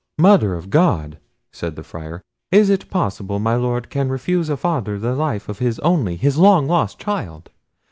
"Mother of God!" said the Friar, "is it possible my Lord can refuse a father the life of his only, his long lost, child!